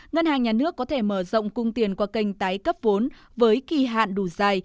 ngân hàng nhà nước có thể mở rộng cung tiền qua kênh tái cấp vốn với kỳ hạn đủ dài